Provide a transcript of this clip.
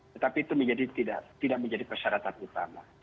tetapi itu tidak menjadi persyaratan utama